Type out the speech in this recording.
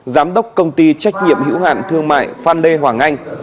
giám đốc công ty trách nhiệm hữu hạn thương mại phan lê hoàng anh